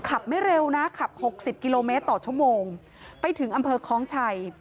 ไม่เร็วนะขับหกสิบกิโลเมตรต่อชั่วโมงไปถึงอำเภอคล้องชัย